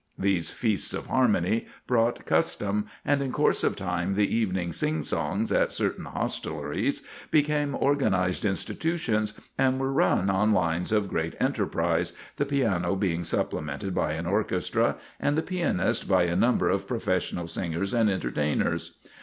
These feasts of harmony brought custom, and in course of time the evening "sing songs" at certain hostelries became organised institutions and were run on lines of great enterprise, the piano being supplemented by an orchestra, and the pianist by a number of professional singers and entertainers.